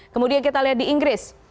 kemudian kita lihat di inggris